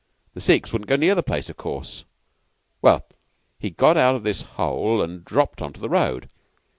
The Sikhs wouldn't go near the place, of course. Well, he'd got out of this hole, and dropped on to the road.